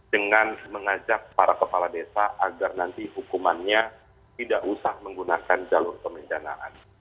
dengan mengajak para kepala desa agar nanti hukumannya tidak usah menggunakan jalur pemendanaan